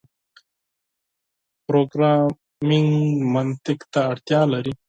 پروګرامنګ منطق ته اړتیا لري.